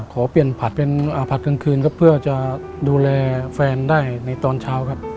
ขอเปลี่ยนผัดเป็นผัดกลางคืนครับเพื่อจะดูแลแฟนได้ในตอนเช้าครับ